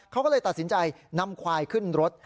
เขาก็เลยตัดสินใจนำควายขึ้นรถ